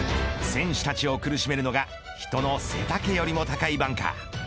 選手たちを苦しめるのが人の背丈よりも高いバンカー。